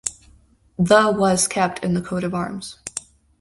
The was kept in the coat of arms.